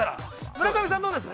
村上さん、どうです？